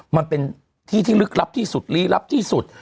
มันเป็นที่ที่ลึกลับที่สุดลี้ลับที่สุด